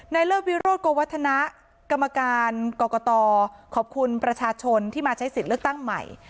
เลิศวิโรธโกวัฒนะกรรมการกรกตขอบคุณประชาชนที่มาใช้สิทธิ์เลือกตั้งใหม่